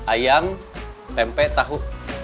ayam tempe tahu